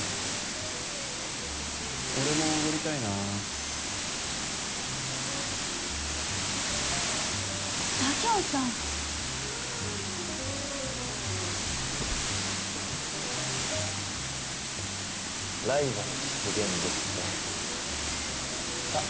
俺もおごりたいな佐京さんライバル出現ですねさあ